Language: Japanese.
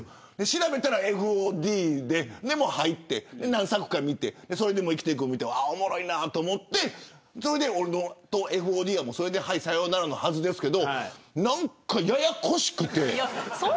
調べたらＦＯＤで、入って何作か見てそれでも、生きてゆくを見ておもろいなと思って俺とＦＯＤは、それではい、さようならのはずですけどなんか、ややこしくて。